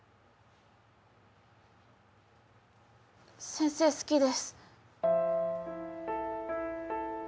先生好きです。